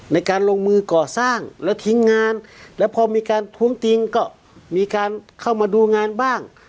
ในการลงมือก่อสร้างแล้วทิ้งงานแล้วพอมีการท้วงติงก็มีการเข้ามาดูงานบ้าง